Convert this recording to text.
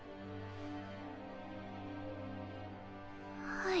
はい。